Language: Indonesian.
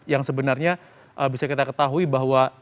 yang sebenarnya bisa kita ketahui bahwa